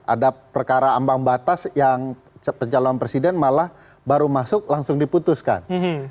ada perkara ambang batas yang calon presiden malah baru masuk langsung diputuskan